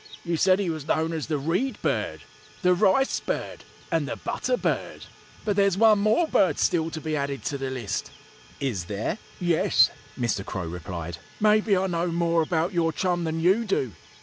You said he was known as the Reed Bird, the Rice Bird, and the Butter Bird. But there's one more bird still to be added to the list." "Is there?" "Yes!" Mr. Crow replied. "Maybe I know more about your chum than you do.